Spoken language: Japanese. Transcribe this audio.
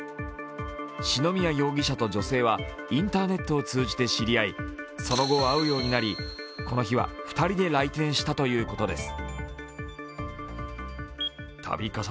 篠宮容疑者と女性はインターネットを通じて知り合いその後会うようになり、この日は２人で来店したということです。